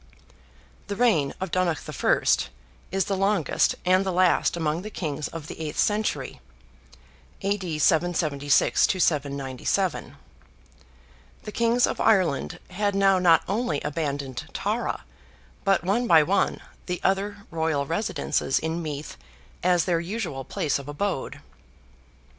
The reign of Donogh I. is the longest and the last among the Kings of the eighth century (A.D. 776 to 797). The Kings of Ireland had now not only abandoned Tara, but one by one, the other royal residences in Meath as their usual place of abode.